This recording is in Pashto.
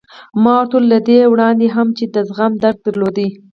ما ورته وویل: له دې وړاندې هم و، چې دا زخم در درلود؟